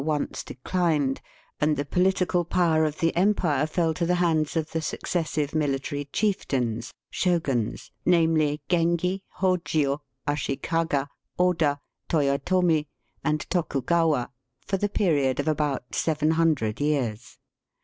87 once declined, and the political power of the empire fell to the hands of the successive military chieftains (shoguns), namely, G engi, Hojio, Ashikaga, Oda, Toyotomi, and Toku gawa, for the period of about seven hundred years.